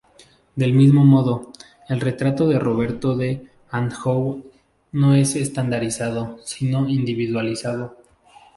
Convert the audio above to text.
Del mismo modo, el retrato de Roberto de Anjou no es estandarizado, sino individualizado.